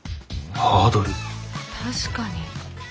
確かに。